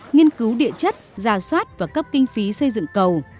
nghiên cứu địa chất giả soát và cấp kinh phí xây dựng cầu